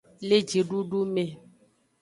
Le jidudu me.